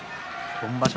今場所